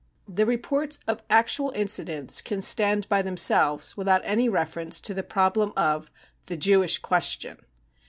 The reports of actual incidents can stand by themselves without any reference to the problems of " the Jewish ques tion.